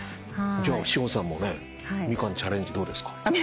じゃあ志帆さんもねミカンチャレンジどうですか？